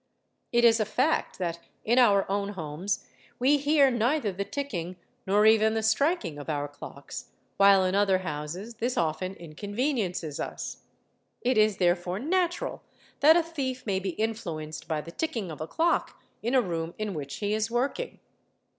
It is a fact that in our own homes we hear neither the ticking nor even the striking of our 'clocks, while in other houses this often inconveniences us; it is there fore natural that a thief may be influenced by the ticking of a clock in a room in which he is working.